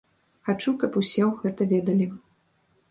Хачу, каб усё гэта ведалі.